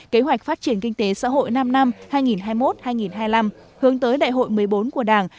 kế hoạch phát triển kinh tế xã hội năm năm hai nghìn hai mươi một hai nghìn hai mươi năm hướng tới đại hội một mươi bốn của đảng